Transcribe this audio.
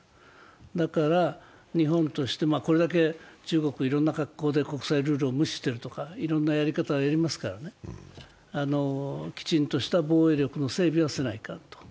だから日本として、これだけ中国、いろんな格好で国際ルールを無視してるとかいろんなやり方をやりますからきちんとした防衛力の整備はしないといかんと。